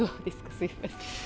すみません。